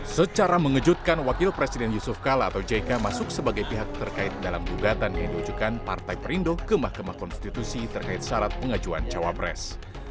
secara mengejutkan wakil presiden yusuf kala atau jk masuk sebagai pihak terkait dalam gugatan yang diajukan partai perindo ke mahkamah konstitusi terkait syarat pengajuan cawapres